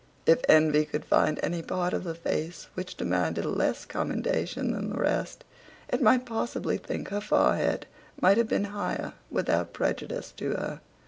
If envy could find any part of the face which demanded less commendation than the rest, it might possibly think her forehead might have been higher without prejudice to her.